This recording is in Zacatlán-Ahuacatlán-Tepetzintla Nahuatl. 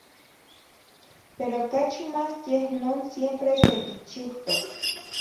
pero cachi más yeh non siempre sequichiutoc,